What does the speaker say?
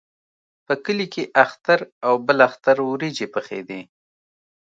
په کلي کې اختر او بل اختر وریجې پخېدې.